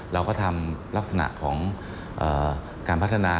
เราก็ทำลักษณะของการพัฒนา